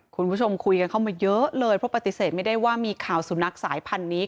คุณผู้ชมคุยกันเข้ามาเยอะเลยเพราะปฏิเสธไม่ได้ว่ามีข่าวสุนัขสายพันธุ์นี้